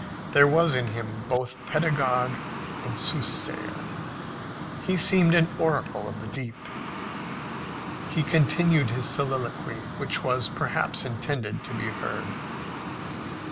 There was in him both pedagogue and soothsayer. He seemed an oracle of the deep. He continued his soliloquy, which was perhaps intended to be heard.